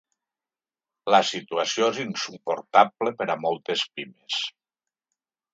La situació és insuportable per a moltes pimes.